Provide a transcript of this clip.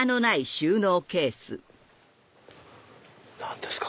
何ですか？